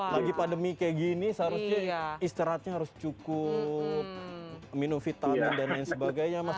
lagi pandemi kayak gini seharusnya istirahatnya harus cukup minum vitamin dan lain sebagainya mas